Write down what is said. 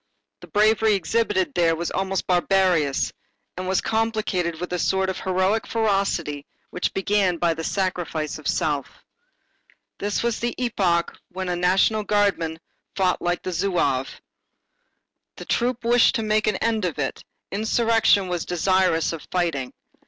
The bravery exhibited there was almost barbarous and was complicated with a sort of heroic ferocity which began by the sacrifice of self. This was the epoch when a National Guardsman fought like a Zouave. The troop wished to make an end of it, insurrection was desirous of fighting.